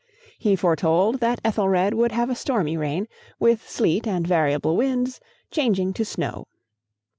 He foretold that Ethelred would have a stormy reign, with sleet and variable winds, changing to snow.